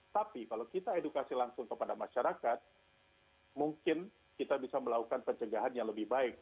tapi kalau kita edukasi langsung kepada masyarakat mungkin kita bisa melakukan pencegahan yang lebih baik